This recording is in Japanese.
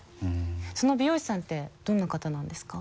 その美容師さんってどんな方なんですか？